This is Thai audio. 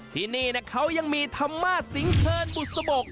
ที่นี่เขายังมีธรรมาสิงเชิญบุษบก